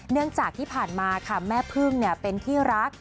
เนื่องจากที่ผ่านมาค่ะแม่พึ่งเป็นที่รัก